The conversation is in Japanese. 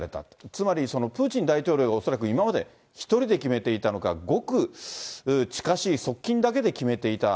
つまりプーチン大統領が恐らく今まで一人で決めていたのか、ごく近しい側近だけで決めていた。